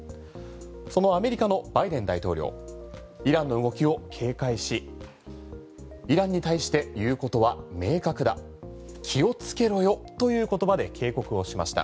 そのアメリカのバイデン大統領イランの動きを警戒しイランに対して言うことは明確だ気をつけろよという言葉で警告をしました。